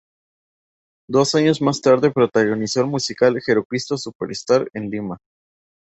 Dos años más tarde, protagonizó el musical "Jesucristo Superstar" en Lima.